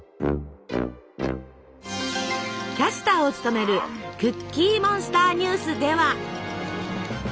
キャスターを務める「クッキーモンスターニュース」では。